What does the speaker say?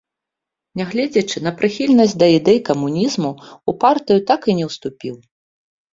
Нягледзячы на прыхільнасць да ідэй камунізму, у партыю так і не ўступіў.